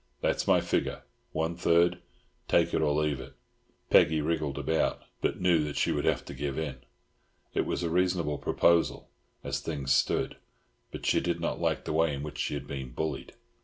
That's my figure. One third. Take it or leave it." Peggy wriggled about, but knew that she would have to give in. It was a reasonable proposal, as things stood; but she did not like the way in which she had been bullied.